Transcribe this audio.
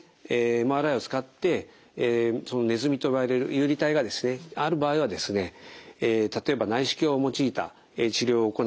ＭＲＩを使ってそのネズミと呼ばれる遊離体がですねある場合はですね例えば内視鏡を用いた治療を行ってですね